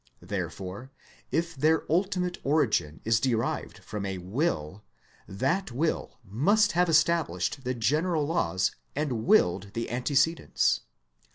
Therefore if their ultimate origin is derived from a will, that will must have established the general laws and willed the antecedents.